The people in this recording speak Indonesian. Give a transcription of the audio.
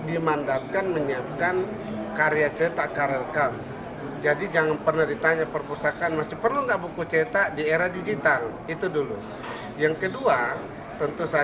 itu menempati transformasi digital terbaik dunia